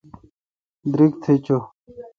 دیرگ تھ چو۔